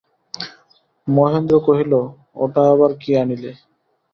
মহেন্দ্র কহিল, ওটা আবার কী আনিলে।